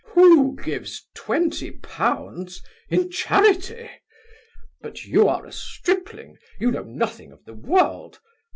Who gives twenty pounds in charity? But you are a stripling You know nothing of the world.